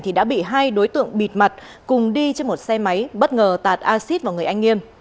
thì đã bị hai đối tượng bịt mặt cùng đi trên một xe máy bất ngờ tạt acid vào người anh nghiêm